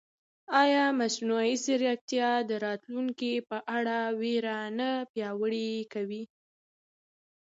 ایا مصنوعي ځیرکتیا د راتلونکي په اړه وېره نه پیاوړې کوي؟